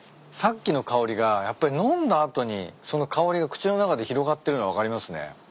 さっきの香りがやっぱり飲んだ後にその香りが口の中で広がってるのが分かりますね。